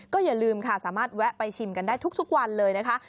อย่าลืมค่ะสามารถแวะไปชิมกันได้ทุกวันเลยนะคะ